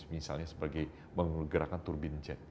misalnya sebagai menggerakkan turbin jet